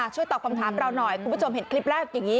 ช่วยตอบคำถามเราหน่อยคุณผู้ชมเห็นคลิปแรกอย่างนี้